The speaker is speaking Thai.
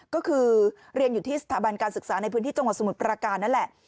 ก็คือเรียนอยู่ที่สถาบันการศึกษาในพื้นที่จังหวัดสมุทรประการนั่นแหละ